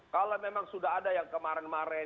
kalau memang sudah ada yang kemarin kemarin